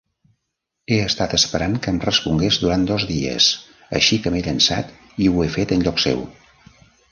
He estat esperant que em respongués durant dos dies, així que m'he llançat i ho he fet en lloc seu.